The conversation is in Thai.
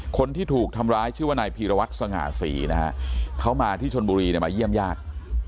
คนที่ถูกทำร้ายชื่อว่านายพีรวัตส์สจสสนาสีนะเค้ามาที่ชนบุรีมาเยี่ยมญาติ